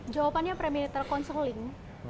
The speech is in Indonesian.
jawabannya pre militar counseling